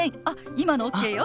今のＯＫよ！